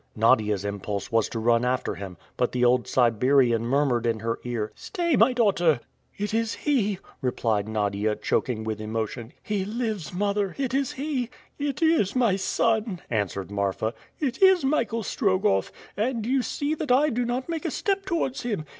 Nadia's impulse was to run after him, but the old Siberian murmured in her ear, "Stay, my daughter!" "It is he!" replied Nadia, choking with emotion. "He lives, mother! It is he!" "It is my son," answered Marfa, "it is Michael Strogoff, and you see that I do not make a step towards him!